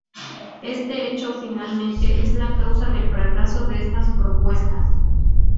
Este hecho, finalmente, es la causa del fracaso de esta propuesta.